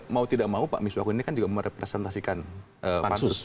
mau tidak mau pak miswakun ini kan juga merepresentasikan pansus